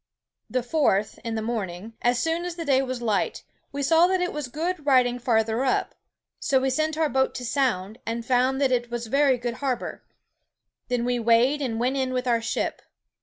"The fourth, in the morning, as soone as the day was light, we saw that it was good riding farther up. So we sent our boate to sound, and found that it was a very good harbour; then we weighed and went in with our ship.